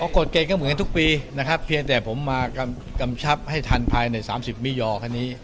กฎเกณฑ์ก็เหมือนกันทุกปีนะครับเพียงแต่ผมมากำชับให้ทันภายใน๓๐มิยอคันนี้